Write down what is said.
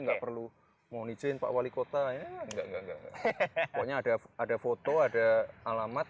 enggak perlu mohon izin pak wali kota ya enggak enggak pokoknya ada ada foto ada alamat